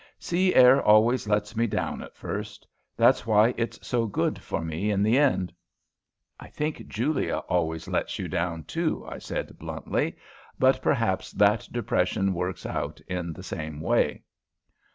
"Sea air always lets me down at first. That's why it's so good for me in the end." "I think Julia always lets you down, too," I said bluntly. "But perhaps that depression works out in the same way."